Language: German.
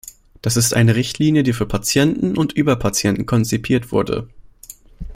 Das ist eine Richtlinie, die für Patienten und über Patienten konzipiert wurde.